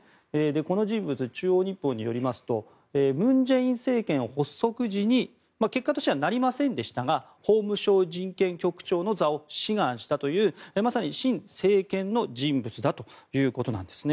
この人物、中央日報によりますと文在寅政権発足時に結果としてはなりませんでしたが法務省人権局長の座を志願したというまさに親政権の人物だということです。